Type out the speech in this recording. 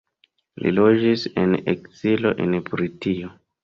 Li loĝis en ekzilo en Britio.